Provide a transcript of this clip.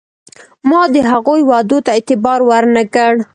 ما د هغوی وعدو ته اعتبار ور نه کړ.